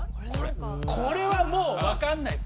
これはもう分かんないっす！